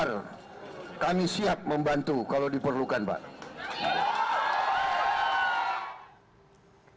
jadi kalau ada yang berpikir besar kami siap membantu kalau diperlukan pak